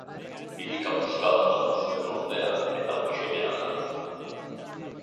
Birika puska bat hartu zuen ordea, eta horixe bera jan.